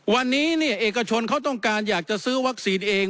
วันนี้เอกชนเขาต้องการอยากจะซื้อวัคซีนเอง